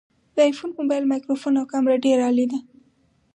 د آیفون مبایل مایکروفون او کامره ډیره عالي ده